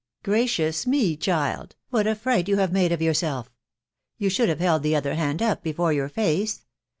" Gracious me, child ! what a fright you have made of yourself !.... you should have held the other hand up before your face.